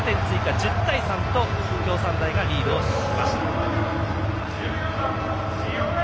１０対３と京産大がリードしました。